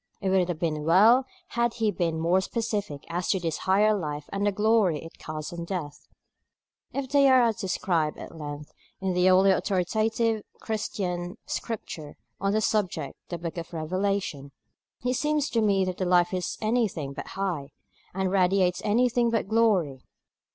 It would have been well had he been more specific as to this higher life and the glory it casts on death. If they are as described at length in the only authoritative Christian Scripture on the subject, the Book of Revelation, it seems to me that the life is anything but high, and radiates anything but glory.